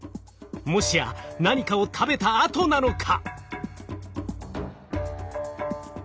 もしや何かを食べたあとなのか？